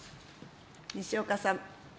西岡さん。